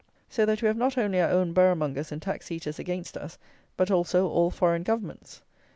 So that we have not only our own borough mongers and tax eaters against us; but also all foreign governments.